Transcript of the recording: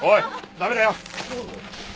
駄目だよ！